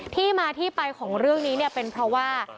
ที่มาที่ไปของเรื่องนี้เนี่ยเป็นเพราะว่า